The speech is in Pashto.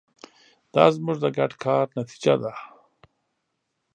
دا زموږ د ګډ کار نتیجه ده.